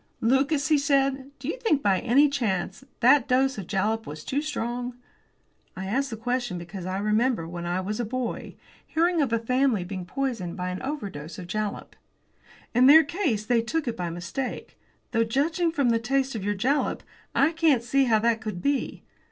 "Lucas," he said, "Do you think, by any chance, that dose of jalap was too strong? I ask the question because I remember, when I was a boy, hearing of a family being poisoned by an overdose of jalap. In their case they took it by mistake. Though, judging from the taste of your jalap, I can't see how that could be.